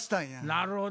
なるほど。